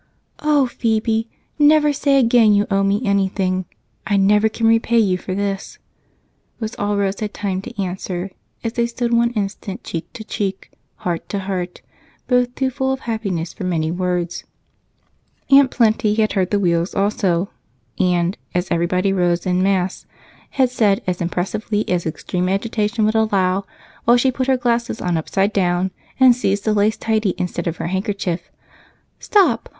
"Oh, Phebe, never say again you owe me anything! I never can repay you for this," was all Rose had time to answer as they stood one instant cheek to cheek, heart to heart, both too full of happiness for many words. Aunt Plenty had heard the wheels also and, as everybody rose en masse, had said as impressively as extreme agitation would allow, while she put her glasses on upside down and seized a lace tidy instead of her handkerchief: "Stop!